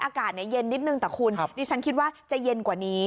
อากาศเย็นนิดนึงแต่คุณดิฉันคิดว่าจะเย็นกว่านี้